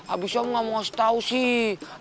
abis itu om gak mau kasih tahu sih